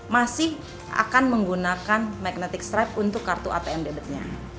masih akan menggunakan magnetic stripe untuk kartu atm debitnya